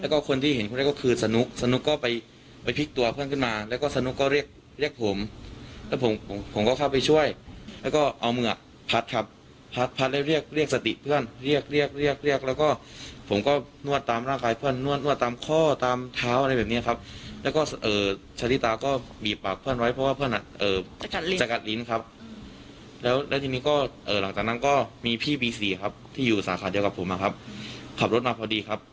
แล้วก็คนที่เห็นคุณก็คือสนุกสนุกก็ไปไปพลิกตัวเพื่อนขึ้นมาแล้วก็สนุกก็เรียกเรียกผมแล้วผมผมก็เข้าไปช่วยแล้วก็เอาเมื่อพัดครับพัดพัดแล้วเรียกเรียกสติเพื่อนเรียกเรียกเรียกเรียกแล้วก็ผมก็นวดตามร่างกายเพื่อนนวดนวดตามข้อตามเท้าอะไรแบบนี้ครับแล้วก็เอ่อชะลีตาก็บีบปากเพื่อนไว้เพราะว่าเพื่อนน่ะเอ่อจะ